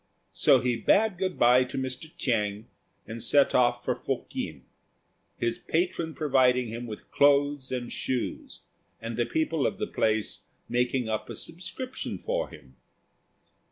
So he bade good by to Mr. Chiang, and set off for Fokien, his patron providing him with clothes and shoes, and the people of the place making up a subscription for him.